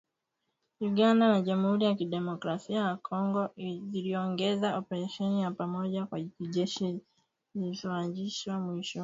Uganda na Jamhuri ya Kidemokrasi ya Kongo, ziliongeza operesheni ya pamoja ya kijeshi iliyoanzishwa mwishoni mwa mwaka jana